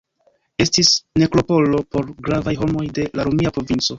Estis nekropolo por gravaj homoj de la romia provinco.